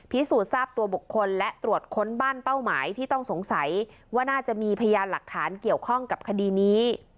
พิสูจน์ทราบตัวบุคคลและตรวจค้นบ้านเป้าหมายที่ต้องสงสัยว่าน่าจะมีพยานหลักฐานเกี่ยวข้องกับคดีนี้